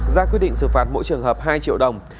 ra quyết định xử phạt mỗi trường hợp hai triệu đồng